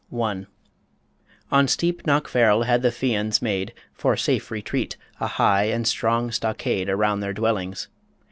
I. On steep Knockfarrel had the Fians made, For safe retreat, a high and strong stockade Around their dwellings.